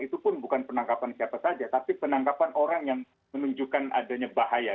itu pun bukan penangkapan siapa saja tapi penangkapan orang yang menunjukkan adanya bahaya